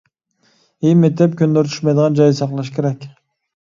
ھىم ئېتىپ كۈن نۇرى چۈشمەيدىغان جايدا ساقلاش كېرەك.